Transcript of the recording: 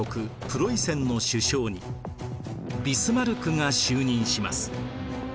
プロイセンの首相にビスマルクが就任します。